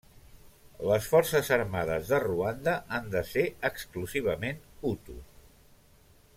Les Forces Armades de Ruanda han de ser exclusivament hutu.